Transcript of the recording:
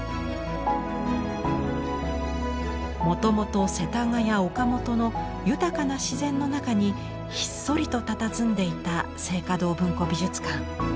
もともと世田谷・岡本の豊かな自然の中にひっそりとたたずんでいた静嘉堂文庫美術館。